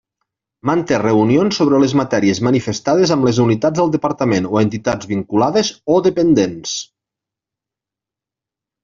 Manté reunions sobre les matèries manifestades amb les unitats del Departament o entitats vinculades o dependents.